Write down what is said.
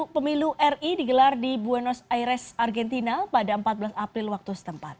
pemilu ri digelar di buenos aires argentina pada empat belas april waktu setempat